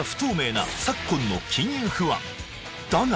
だが